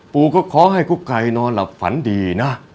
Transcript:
กูก็ขอให้กุ๊กไก่นอนหลับฝันดีนะ